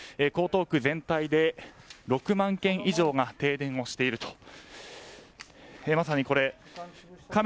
江東区全体で６万軒以上が停電をしていると。